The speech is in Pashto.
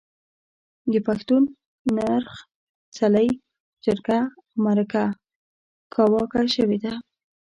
د پښتون نرخ، څلی، جرګه او مرکه کاواکه شوې ده.